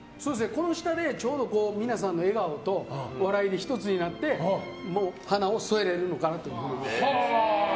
この下でちょうど皆さんの笑顔と笑いで１つになって花を添えれるのかなという。